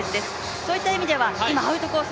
そういった意味では、今アウトコース